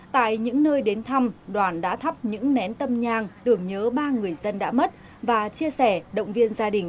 tại những nơi đến thăm đoàn đã thắp những nén tâm nhang tưởng nhớ ba người dân đã mất và chia sẻ động viên gia đình